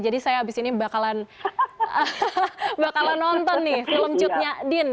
jadi saya abis ini bakalan nonton nih film cutnya din